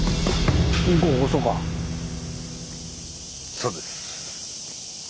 そうです。